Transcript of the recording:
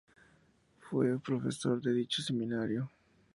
Fue profesor de dicho Seminario.